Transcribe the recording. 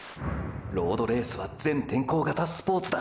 ロードレースは全天候型スポーツだ。